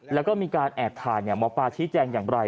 แล้วก็มีการแอบถ่ายหมอปลาชี้แจงอย่างไร